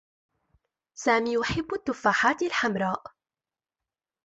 سامي يحبّ التّفّاحات الحمراء.